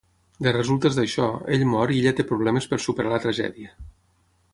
De resultes d'això, ell mor i ella té problemes per superar la tragèdia.